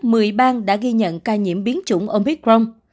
trong bối cảnh ít nhất một mươi ba đã ghi nhận ca nhiễm biến chủng omicron